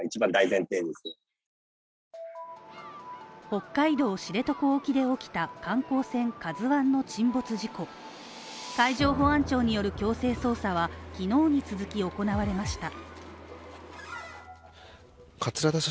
北海道知床沖で起きた観光船「ＫＡＺＵ１」の沈没事故海上保安庁による強制捜査は昨日に続き行われました。